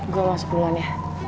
gue mau sepuluhan ya